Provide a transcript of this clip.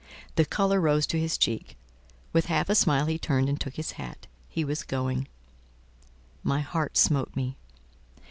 The colour rose to his cheek; with half a smile he turned and took his hat—he was going. My heart smote me.